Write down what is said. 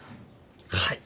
はい。